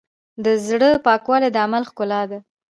د زړۀ پاکوالی د عمل ښکلا ده.